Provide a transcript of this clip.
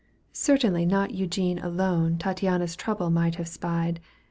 Certainly not Eugene alone Tattiana's trouble might have spied.